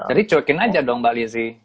jadi cuekin aja dong mba lizzy